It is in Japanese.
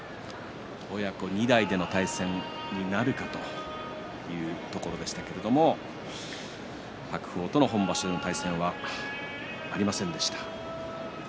親子２代での対戦になるかというところでしたけれども白鵬との本場所での対戦はありませんでした。